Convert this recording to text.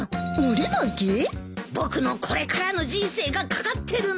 僕のこれからの人生が懸かってるんだ。